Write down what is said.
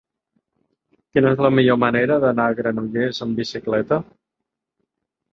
Quina és la millor manera d'anar a Granollers amb bicicleta?